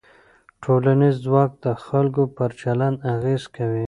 ټولنیز ځواک د خلکو پر چلند اغېز کوي.